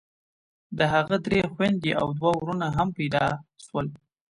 د هغه درې خويندې او دوه ورونه هم پيدا سول.